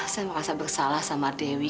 saya merasa bersalah sama dewi